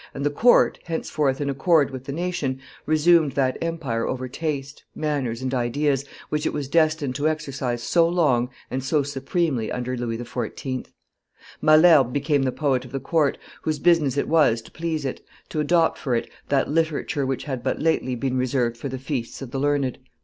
and the court, henceforth in accord with the nation, resumed that empire over taste, manners, and ideas, which it was destined to exercise so long and so supremely under Louis XIV. Malherbe became the poet of the court, whose business it was to please it, to adopt for it that literature which had but lately been reserved for the feasts of the learned.